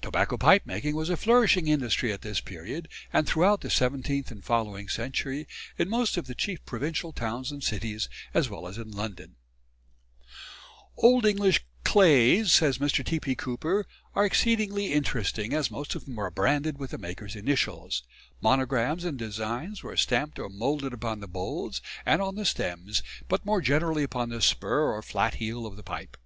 Tobacco pipe making was a flourishing industry at this period and throughout the seventeenth and following century in most of the chief provincial towns and cities as well as in London. "Old English 'clays,'" says Mr. T.P. Cooper, "are exceedingly interesting, as most of them are branded with the maker's initials. Monograms and designs were stamped or moulded upon the bowls and on the stems, but more generally upon the spur or flat heel of the pipe.